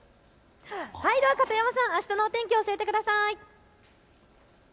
片山さん、あしたのお天気教えてください。